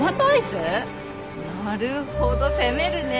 なるほど攻めるね。